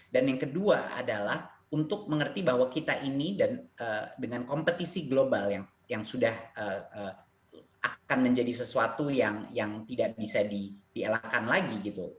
dan yang kedua adalah untuk mengerti bahwa kita ini dengan kompetisi global yang sudah akan menjadi sesuatu yang tidak bisa dielakkan lagi